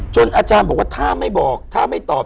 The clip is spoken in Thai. อาจารย์บอกว่าถ้าไม่บอกถ้าไม่ตอบ